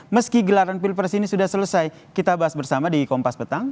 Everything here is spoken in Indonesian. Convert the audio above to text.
meski gelaran pilpres ini sudah selesai kita bahas bersama di kompas petang